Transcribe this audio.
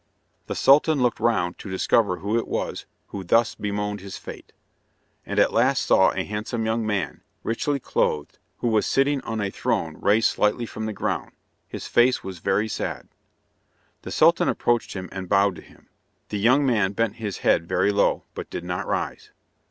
The Sultan looked round to discover who it was who thus bemoaned his fate, and at last saw a handsome young man, richly clothed, who was sitting on a throne raised slightly from the ground. His face was very sad. The sultan approached him and bowed to him. The young man bent his head very low, but did not rise.